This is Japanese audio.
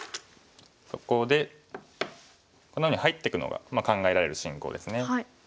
そこでこのように入っていくのが考えられる進行ですね。